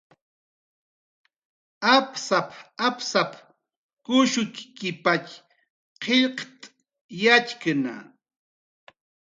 "Apsap"" apsap kushukkipatx qillqt' yatxkna"